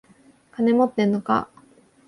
金持ってんのか？